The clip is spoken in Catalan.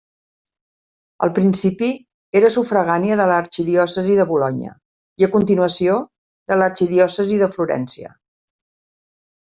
Al principi era sufragània de l'arxidiòcesi de Bolonya i, a continuació, de l'arxidiòcesi de Florència.